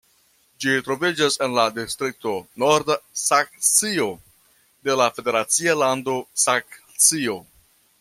Ĝi troviĝas en la distrikto Norda Saksio de la federacia lando Saksio.